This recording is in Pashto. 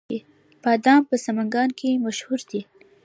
بادام په سمنګان کې مشهور دي